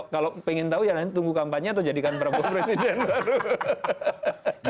kalau pengen tahu ya nanti tunggu kampanye atau jadikan prabowo presiden